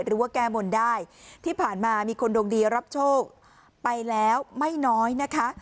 หรือว่าแก้บนได้ที่ผ่านมามีคนดวงดีรับโชคไปแล้วไม่น้อยนะคะ